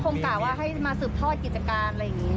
กะว่าให้มาสืบทอดกิจการอะไรอย่างนี้